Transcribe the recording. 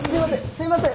すいません！